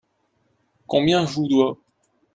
Combien je vous dois ?